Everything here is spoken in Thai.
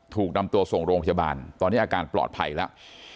ถูกนำตัวส่งโรงพยาบาลตอนนี้อาการปลอดภัยแล้ว